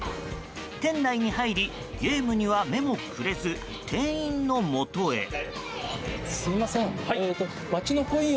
店内に入りゲームには目もくれず店員のもとへ。